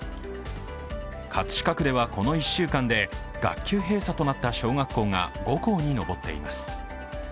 葛飾区では、この１週間で学級閉鎖となった小学校が５校に上っています。